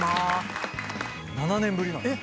７年ぶりなんですよ。